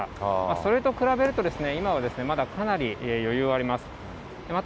それと比べると、今はまだかなり余裕はあります。